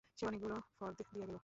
সে অনেকগুলা ফর্দ দিয়া গেল।